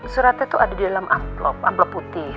suratnya itu ada di dalam amplop amplop putih